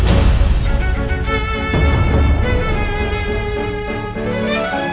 pelakunya adalah elsa